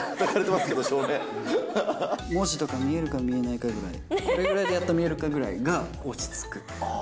今、文字とか見えるか見えないかぐらい、これぐらいでやっと見えるぐらいが落ち着く。